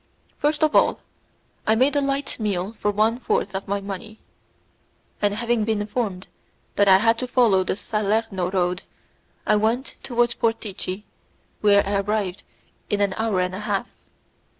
First of all I made a light meal for one fourth of my money, and, having been informed that I had to follow the Salerno road, I went towards Portici where I arrived in an hour and a half.